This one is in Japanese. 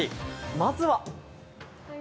まずは。